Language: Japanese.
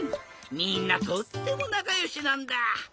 みんなとってもなかよしなんだ。